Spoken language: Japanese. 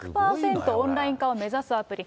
オンライン化を目指すアプリ。